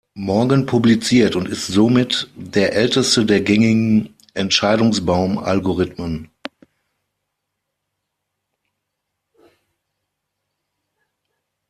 Morgan publiziert und ist somit der Älteste der gängigen Entscheidungsbaum-Algorithmen.